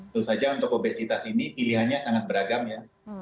tentu saja untuk obesitas ini pilihannya sangat beragam ya